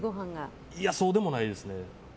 そうでもないですね。